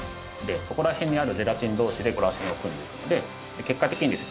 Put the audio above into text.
そこら辺にあるゼラチン同士でらせんを組んでいくので結果的にですね